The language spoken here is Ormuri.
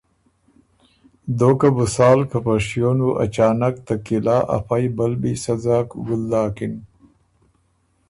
دوکه بو سال که په شیو ن بُو اچانک ته قلعه ا فئ بلبی سۀ ځاک ګُل داکِن